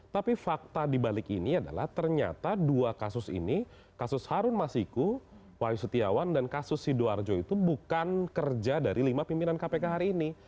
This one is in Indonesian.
tapi fakta dibalik ini adalah ternyata dua kasus ini kasus harun masiku wayu setiawan dan kasus sidoarjo itu bukan kerja dari lima pimpinan kpk hari ini